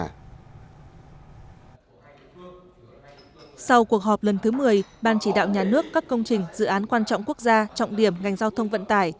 sau cuộc họp lần thứ một mươi ban chỉ đạo nhà nước các công trình dự án quan trọng quốc gia trọng điểm ngành giao thông vận tải